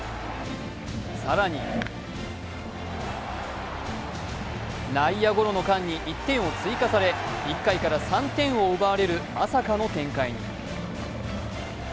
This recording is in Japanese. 更に、内野ゴロの間に１点を追加され１回から３点を奪われるまさかの展開に。